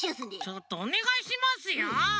ちょっとおねがいしますよ。